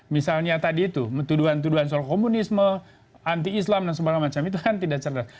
misalnya tadi itu tuduhan tuduhan soal komunisme anti islam dan segala macam itu kan tidak cerdas